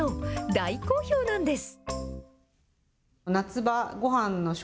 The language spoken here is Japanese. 大好評なんです。